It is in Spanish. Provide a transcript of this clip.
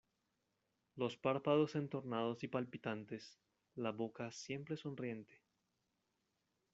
los párpados entornados y palpitantes, la boca siempre sonriente